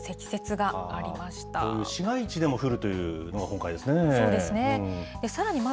こういう市街地でも降るというのが今回ですね。